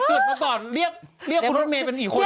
เกือบพระบอร์นเรียกคุณลูกเมนเป็นอีกคน